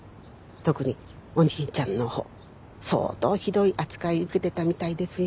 特にお兄ちゃんのほう相当ひどい扱い受けてたみたいですよ。